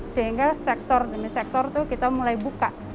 sehingga sektor demi sektor tuh kita mulai buka